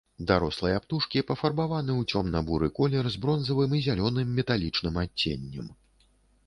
Дарослыя птушкі пафарбаваны ў цёмна-буры колер з бронзавым і зялёным металічным адценнем.